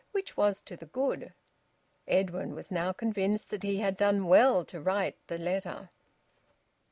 Which was to the good. Edwin was now convinced that he had done well to write the letter.